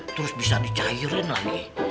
terus bisa dicairin lagi